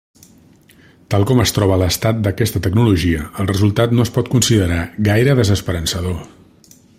Tal com es troba l'estat d'aquesta tecnologia el resultat no es pot considerar gaire desesperançador.